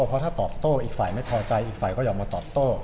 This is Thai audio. เพราะถ้าตอบโต้อีกฝ่ายไม่พอใจอีกฝ่ายก็อยากมาตอบโต้